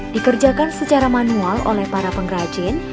dikerjakan secara manual oleh para pengrajin